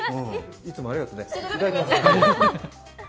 いつもありがとね。